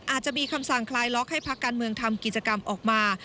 อาจจะมีคำสั่งคลายล็อกให้พักการเมืองทำกิจกรรมออกมา